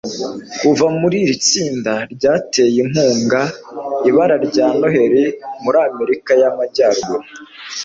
Kuva mu iri tsinda ryateye inkunga ibara rya Noheri muri Amerika y'Amajyaruguru